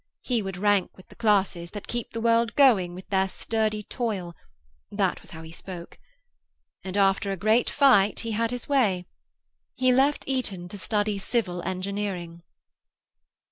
He would rank with the classes that keep the world going with their sturdy toil: that was how he spoke. And, after a great fight, he had his way. He left Eton to study civil engineering."